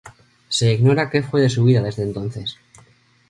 Se ignora que fue de su vida desde entonces.